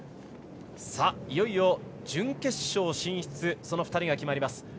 いよいよ準決勝進出の２人が決まります。